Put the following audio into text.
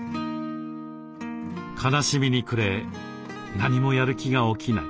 悲しみに暮れ何もやる気が起きない。